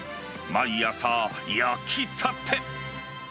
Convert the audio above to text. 毎朝、焼きたて。